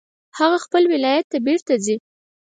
هغه خپل ولایت ته بیرته ځي